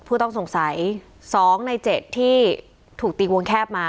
ผู้ต้องสงสัย๒ใน๗ที่ถูกตีวงแคบมา